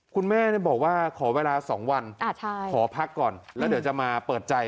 คุณแม่บอกว่าขอเวลา๒วันขอพักก่อนแล้วเดี๋ยวจะมาเปิดใจ